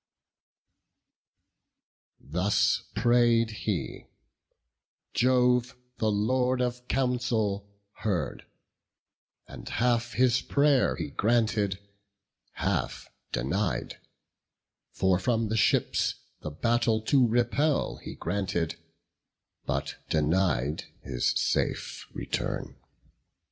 Thus pray'd he; Jove, the Lord of counsel, heard, And half his pray'r he granted, half denied: For from the ships the battle to repel He granted; but denied his safe return.